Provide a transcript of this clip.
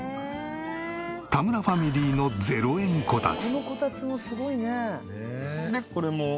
田村ファミリーの０円こたつ。